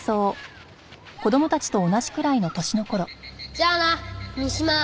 じゃあな三島。